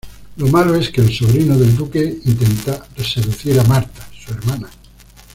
Lo malo es que el sobrino del duque intenta seducir a Marta, su hermana.